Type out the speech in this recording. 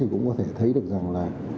cũng có thể thấy được rằng